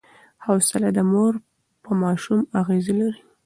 حوصله د مور په ماشوم اغېز لري.